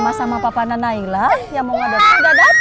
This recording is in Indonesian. mama sama papa nana naila yang mau ngedoteng udah dateng